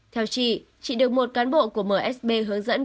theo chị chị được một cán bộ của msb hướng dẫn